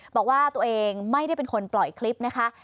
บอกว่าตัวเองไม่ได้เป็นคนปล่อยคลิปนะคะ